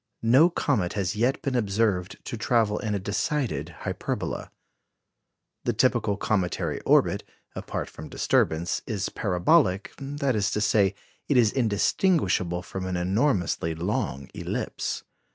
No comet has yet been observed to travel in a decided hyperbola. The typical cometary orbit, apart from disturbance, is parabolic that is to say, it is indistinguishable from an enormously long ellipse.